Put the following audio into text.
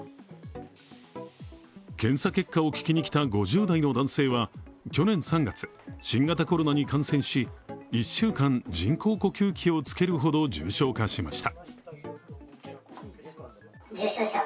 検査結果を聞きにきた５０代の男性は去年３月、新型コロナに感染し、１週間人工呼吸器をつけるほど重症化しました。